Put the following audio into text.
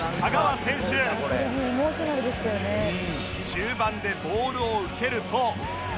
中盤でボールを受けると